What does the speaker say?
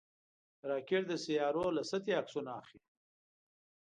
راکټ د سیارویو له سطحې عکسونه اخلي